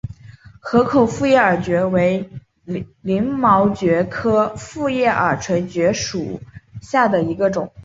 河口复叶耳蕨为鳞毛蕨科复叶耳蕨属下的一个种。